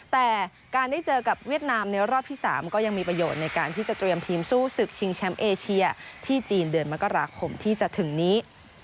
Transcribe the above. แต่การได้เจอกับเวียดนามในรอบที่๓ก็ยังมีประโยชน์ในการที่จะเตรียมทีมสู้ศึกชิงแชมป์เอเชียที่จีนเดือนมกราคมที่จะถึงนี้